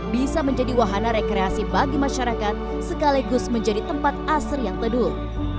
bisa menjadi wahana rekreasi bagi masyarakat sekaligus menjadi tempat asri yang teduh